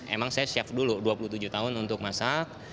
emang saya chef dulu dua puluh tujuh tahun untuk masak